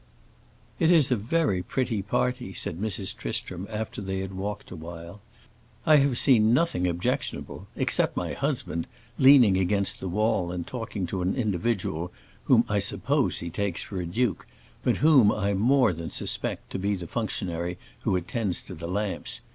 "It is a very pretty party," said Mrs. Tristram, after they had walked a while. "I have seen nothing objectionable except my husband leaning against the wall and talking to an individual whom I suppose he takes for a duke, but whom I more than suspect to be the functionary who attends to the lamps.